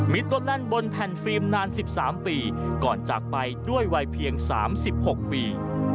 มีต้นแน่นบนแผ่นฟิล์มนาน๑๓ปีก่อนจากไปด้วยวัยเพียง๓๖ปี